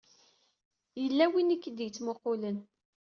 Yella win i k-id-ittmuqqulen.